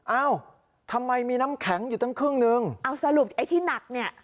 เอ้าทำไมมีน้ำแข็งอยู่ตั้งครึ่งนึงเอาสรุปไอ้ที่หนักเนี่ย